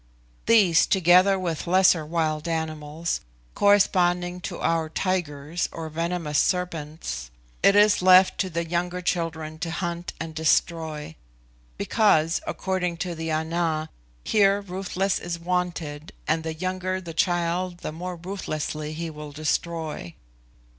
These, together with lesser wild animals, corresponding to our tigers or venomous serpents, it is left to the younger children to hunt and destroy; because, according to the Ana, here ruthlessness is wanted, and the younger the child the more ruthlessly he will destroy.